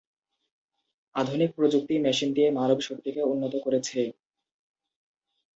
আধুনিক প্রযুক্তি মেশিন দিয়ে মানব শক্তিকে উন্নত করেছে।